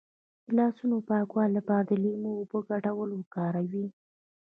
د لاسونو د پاکوالي لپاره د لیمو او اوبو ګډول وکاروئ